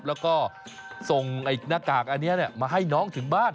แล้วก็ส่งหน้ากากอันนี้มาให้น้องถึงบ้าน